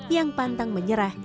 yang pantang menyerah